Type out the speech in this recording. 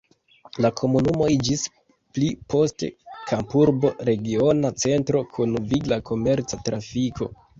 La komunumo iĝis pli poste kampurbo regiona centro kun vigla komerca trafiko.